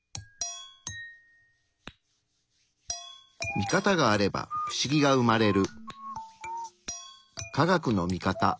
ミカタがあればフシギが生まれる。